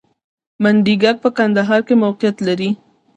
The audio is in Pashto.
منډیګک په کندهار کې موقعیت لري